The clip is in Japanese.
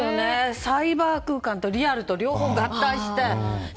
サイバー空間とリアルの両方合体してね。